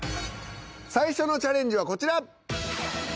最初のチャレンジはこちら。